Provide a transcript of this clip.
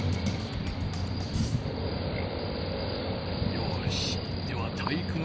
よしでは体育ノ